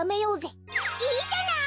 いいじゃない！